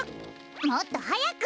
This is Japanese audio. もっとはやく！